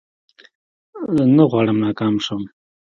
نه غواړم ناکام شم